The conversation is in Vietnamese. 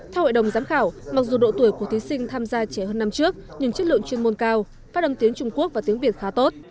theo hội đồng giám khảo mặc dù độ tuổi của thí sinh tham gia trẻ hơn năm trước nhưng chất lượng chuyên môn cao phát âm tiếng trung quốc và tiếng việt khá tốt